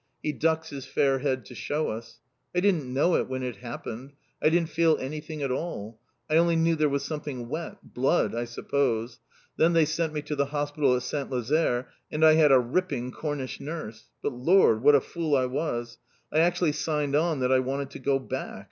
He ducks his fair head to shew us. "I didn't know it when it happened. I didn't feel anything at all. I only knew there was something wet. Blood, I suppose. Then they sent me to the Hospital at S. Lazaire, and I had a ripping Cornish nurse. But lor, what a fool I was! I actually signed on that I wanted to go back.